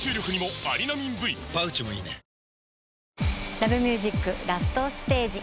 『Ｌｏｖｅｍｕｓｉｃ』ラストステージ。